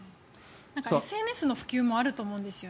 ＳＮＳの普及もあると思うんです。